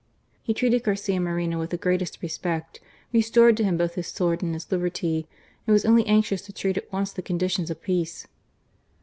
He treated Garcia Moreno with the greatest respect, restored to him both his sword and his liberty, and was only anxious to treat at once the conditions of peace.